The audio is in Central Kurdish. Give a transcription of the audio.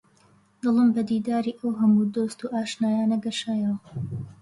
دڵم بە دیداری ئەو هەموو دۆست و ئاشنایانە گەشایەوە